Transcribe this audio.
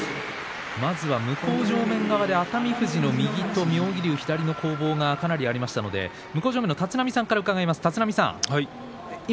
まずは向正面側で熱海富士の右と妙義龍の左の攻防がありましたので立浪さんから伺います。